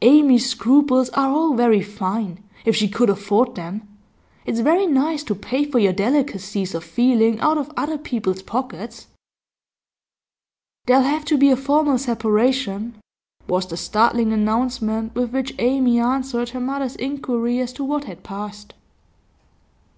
Amy's scruples are all very fine, if she could afford them; it's very nice to pay for your delicacies of feeling out of other people's pockets.' 'There'll have to be a formal separation,' was the startling announcement with which Amy answered her mother's inquiry as to what had passed.